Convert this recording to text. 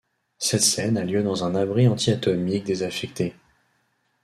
Cette scène a lieu dans un abri anti-atomique désaffecté.